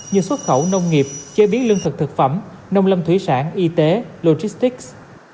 như xuất khẩu nông nghiệp chế biến lương thực thực phẩm nông lâm thủy sản y tế logistics